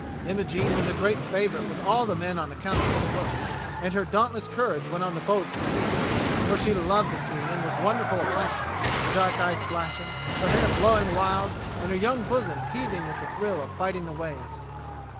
Imogene was a great favourite with all the men on account of her good looks and her dauntless courage when on the boats at sea; for she loved the sea and was wonderful upon it — ^her dark eyes flashing, her hair blow THE COMING OF THE KING'S MEN 17 ing wild, and her young bosom heaving with the thrill of fighting the waves.